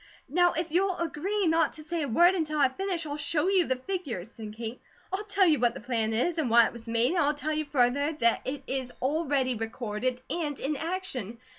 "Now if you'll agree not to say a word until I finish, I'll show you the figures," said Kate. "I'll tell you what the plan is, and why it was made, and I'll tell you further that it is already recorded, and in action.